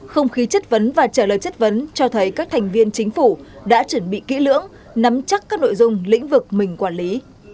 không khí chất vấn và trả lời chất vấn cho thấy các thành viên chính phủ đã chuẩn bị kỹ lưỡng nắm chắc các nội dung lĩnh vực mình quản lý